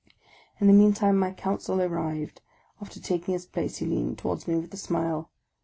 In the meantime my counsel arrived; after taking his place he leaned towards me with a smile.